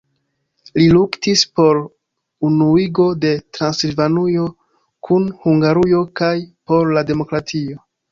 Li luktis por unuigo de Transilvanujo kun Hungarujo kaj por la demokratio.